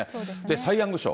サイ・ヤング賞。